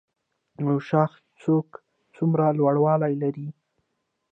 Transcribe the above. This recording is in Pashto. نوشاخ څوکه څومره لوړوالی لري؟